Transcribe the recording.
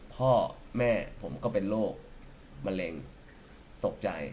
พ่อแม่ผมก็เป็นโรคมะเร็งตกใจ